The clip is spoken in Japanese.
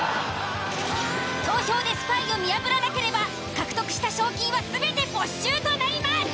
投票でスパイを見破らなければ獲得した賞金は全て没収となります。